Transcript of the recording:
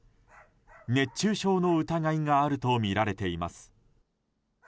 熱中症の疑いがあるとみられています。